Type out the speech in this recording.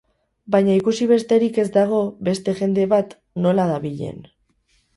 Baina ikusi besterik ez dago beste jende bat nola dabilen.